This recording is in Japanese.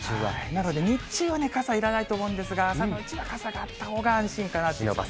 なので日中は傘いらないと思うんですが、朝のうちは傘があったほうが安心かなと。